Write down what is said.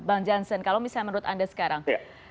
bang jansen kalau misalnya menurut anda sekarang